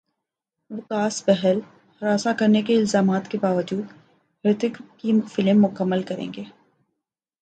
وکاس بہل ہراساں کرنے کے الزامات کے باوجود ہریتھک کی فلم مکمل کریں گے